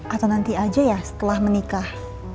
atau nanti aja ya setelah menikah